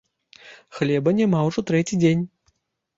Хлеба няма ўжо трэці дзень.